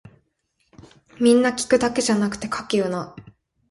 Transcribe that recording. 皆聞くだけじゃなくて書けよな